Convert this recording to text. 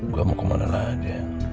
gue mau kemana lagi